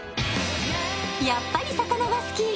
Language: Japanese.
やっぱり魚が好き。